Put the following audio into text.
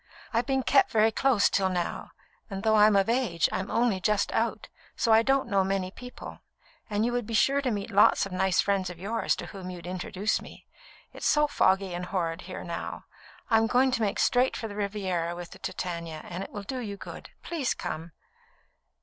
I've been kept very close till now, and though I'm of age, I'm only just out, so I don't know many people, and you would be sure to meet lots of nice friends of yours, to whom you'd introduce me. It's so foggy and horrid here now; I'm going to make straight for the Riviera with the Titania, and it will do you good. Please come."